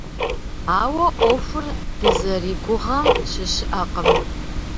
Ауэ ӏуэхур дызэригугъэм щыщыӏэкъым.